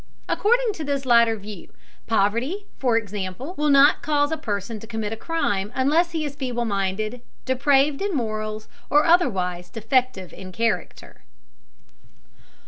According to this latter view, poverty, for example, will not cause a person to commit a crime unless he is feeble minded, depraved in morals, or otherwise defective in character.